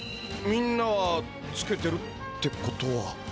みんなはつけてるってことは。